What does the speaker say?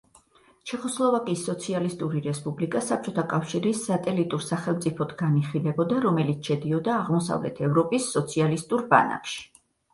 ჩეხოსლოვაკიის სოციალისტური რესპუბლიკა საბჭოთა კავშირის სატელიტურ სახელმწიფოდ განიხილებოდა, რომელიც შედიოდა აღმოსავლეთ ევროპის სოციალისტური ბანაკში.